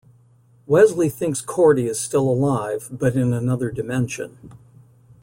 Wesley thinks Cordy is still alive, but in another dimension.